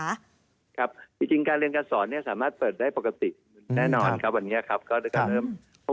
ครับจริงการเรียนการสอนสามารถเปิดได้ปกติแน่นอนครับ